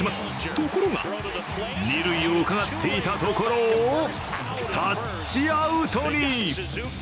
ところが、二塁を伺っていたところをタッチアウトに。